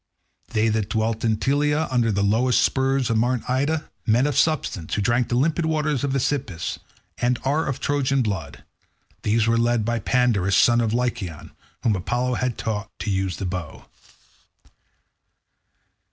They that dwelt in Telea under the lowest spurs of Mt. Ida, men of substance, who drink the limpid waters of the Aesepus, and are of Trojan blood—these were led by Pandarus son of Lycaon, whom Apollo had taught to use the bow.